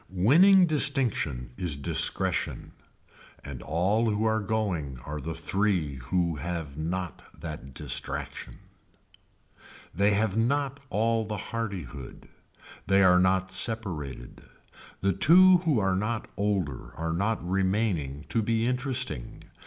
Winning distinction is discretion and all who are going are the three who have not that distraction. They have not all the hardihood. They are not separated. The two who are not older are not remaining to be interesting.